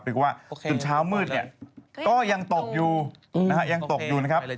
หรือว่าจนเช้ามืดก็ยังตกอยู่ยังตกอยู่นะครับ